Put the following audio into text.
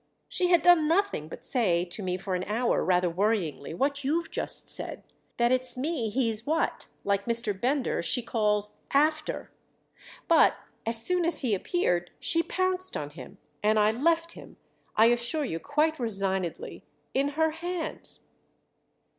She had done nothing but say to me for an hour, rather worryingly, what you've just said—that it's me he's what, like Mr. Bender, she calls 'after'; but as soon as he appeared she pounced on him, and I left him—I assure you quite resignedly—in her hands."